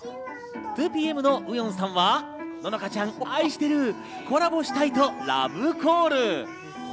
２ＰＭのウヨンさんは、乃々佳ちゃん愛してる、コラボしたいとラブコール。